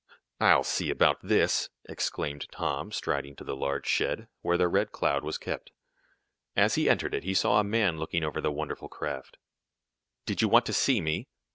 "I'll see about this," exclaimed Tom, striding to the large shed, where the Red Cloud was kept. As he entered it he saw a man looking over the wonderful craft. "Did you want to see me?"